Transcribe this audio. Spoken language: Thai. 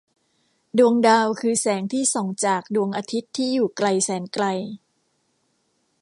ดวงดาวคือแสงที่ส่องจากดวงอาทิตย์ที่อยู่ไกลแสนไกล